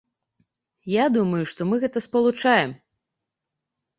Я думаю, што мы гэта спалучаем.